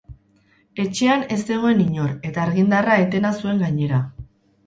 Etxean ez zegoen inor eta argindarra etena zuen gainera.